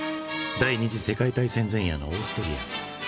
第二次世界大戦前夜のオーストリア。